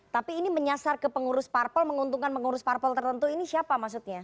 tapi ini menyasar ke pengurus parpol menguntungkan mengurus parpol tertentu ini siapa maksudnya